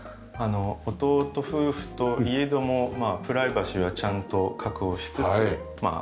弟夫婦といえどもプライバシーはちゃんと確保しつつまあ